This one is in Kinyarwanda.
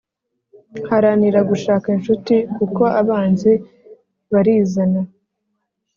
Haranira gushaka inshuti kuko abanzi barizana